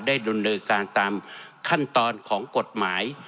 ดุลยการตามขั้นตอนของกฎหมาย